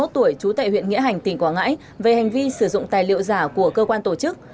ba mươi tuổi trú tại huyện nghĩa hành tỉnh quảng ngãi về hành vi sử dụng tài liệu giả của cơ quan tổ chức